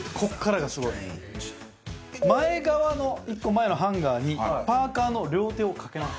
前側の１個前のハンガーにパーカーの両手をかけます。